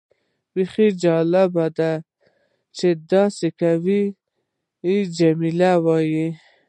بیخي جالبه ده چې داسې کوي. جميلې وويل:.